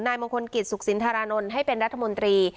มงคลกิจสุขสินธารานนท์ให้เป็นรัฐมนตรี